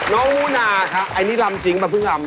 น้องฮุนาคะไอ้นี่ลำจริงหรือเปล่า